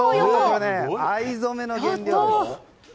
藍染めの原料です。